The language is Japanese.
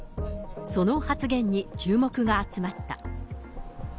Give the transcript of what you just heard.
その発言に注目が集まった。